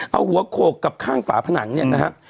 เอาหัวโขกกับข้างฝาผนังเนี่ยนะครับ